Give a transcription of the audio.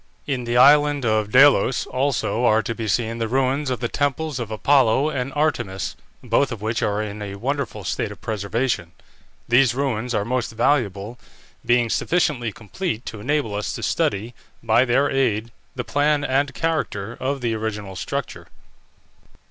In the island of Delos, also, are to be seen the ruins of the temples of Apollo and Artemis, both of which are in a wonderful state of preservation. These ruins are most valuable, being sufficiently complete to enable us to study, by their aid, the plan and character of the original structure.